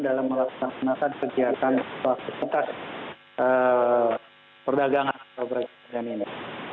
dalam melaksanakan kegiatan aktivitas perdagangan atau perekonomian ini